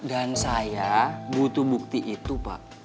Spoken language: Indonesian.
dan saya butuh bukti itu pak